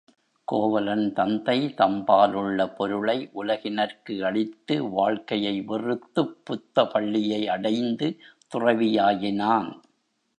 கோவலன் தந்தை தம்பால் உள்ள பொருளை உலகினர்க்கு அளித்து வாழ்க்கையை வெறுத்துப் புத்த பள்ளியை அடைந்து துறவியாயினான்.